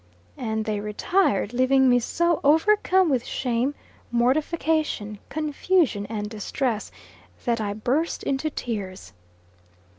And they retired, leaving me so overcome with shame, mortification, confusion, and distress, that I burst into tears.